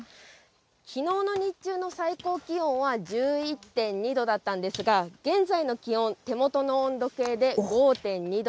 きのうの日中の最高気温は１１．２度だったんですが、現在の気温、手元の温度計で５．２度。